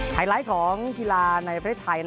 ทลายไลท์ของกีฬาในประเทศไทยนะ